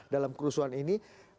dalam kerusuhan ini